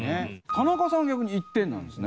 田中さん逆に１点なんですね。